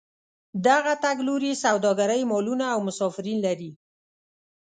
دغه تګ لوري سوداګرۍ مالونه او مسافرین لري.